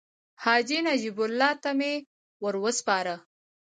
حاجي نجیب الله ته مې ورو سپاره.